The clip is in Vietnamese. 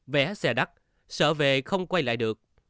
vẽ xe đắt sợ về không quay lại được